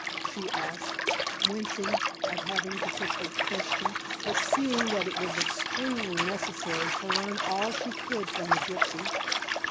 she asked, wincing at having to put the question, but seeing that it was extremely necessary to learn all she could from the gypsy.